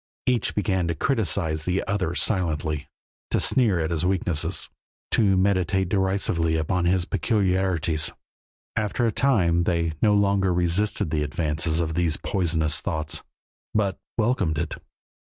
Each began to criticize the other silently, to sneer at his weaknesses, to meditate derisively upon his peculiarities. After a time they no longer resisted the advance of these poisonous thoughts, but welcomed it.